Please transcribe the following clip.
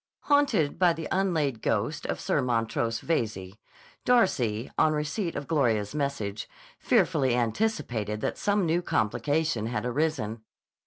Haunted by the unlaid ghost of Sir Montrose Veyze, Darcy, on receipt of Gloria's message, fearfully anticipated that some new complication had arisen.